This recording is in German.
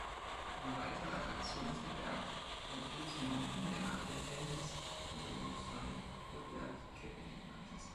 Eine weitere Attraktion ist der Berg Mowglis Mountain, der nach dem Helden des „Dschungelbuchs“ von Rudyard Kipling benannt ist.